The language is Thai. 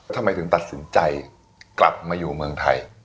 ทำไมถึงตัดสินใจกลับมาอยู่เมืองไทย